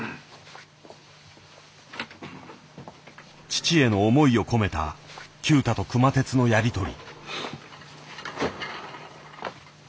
父への思いを込めた九太と熊徹のやり取り。